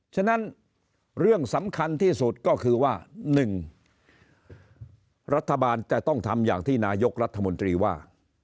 ฉะนั้นเรื่องสำคัญที่สุดก็คือว่า๑รัฐบาลจะต้องทำอย่างที่นายกรัฐมนตรีว่า